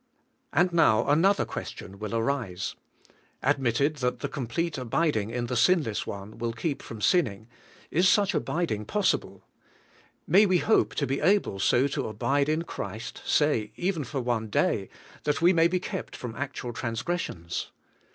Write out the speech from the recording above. And now another question will arise: Admitted that the complete abiding in the Sinless One will keep from sinning, is such abiding possible? May we hope to be able so to abide in Christ, say, even for THAT YOU MAY NOT SIN, 203 one day, that we may be kept from actual transgres sions?